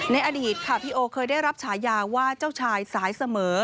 อดีตค่ะพี่โอเคยได้รับฉายาว่าเจ้าชายสายเสมอ